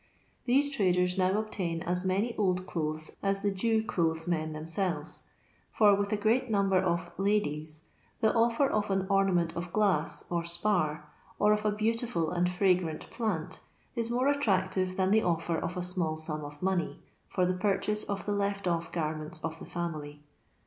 These traders now obtain a« many old clothes as the Jew clothes men tbiaselvet; for, with a great number of "Udies,* Uie offer of an ornament of glass or spar, or of a beautiful and fragmt phwt, is more attractive than the offer of a small sum of money, for tlM pozehase of the left off garments of the fiunOy.